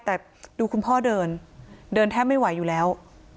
แต่ดูคุณพ่อเดินเดินแทบไม่ไหวอยู่แล้ว